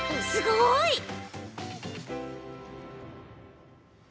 すごい！